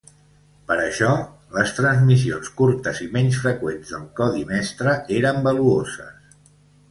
Per això, les transmissions curtes i menys freqüents del codi mestre eren valuoses.